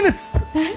えっ？